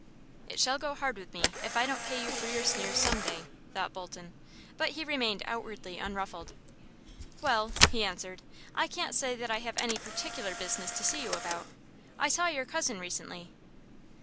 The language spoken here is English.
"It shall go hard with me if I don't pay you for your sneers some day," thought Bolton; but he remained outwardly unruffled. "Well," he answered, "I can't say that I have any particular business to see you about. I saw your cousin recently."